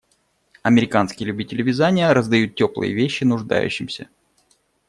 Американские любители вязания раздают теплые вещи нуждающимся